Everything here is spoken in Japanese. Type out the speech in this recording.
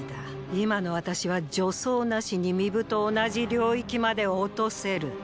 今の私は助走なしに巫舞と同じ領域まで落とせる。